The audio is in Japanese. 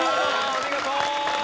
お見事！